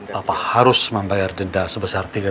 papa harus membayar denda sebesar tiga ratus ribu rupiah